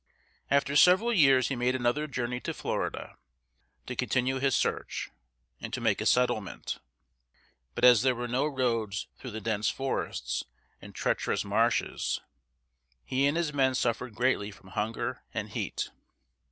After several years he made another journey to Florida, to continue his search, and to make a settlement; but as there were no roads through the dense forests and treacherous marshes, he and his men suffered greatly from hunger and heat.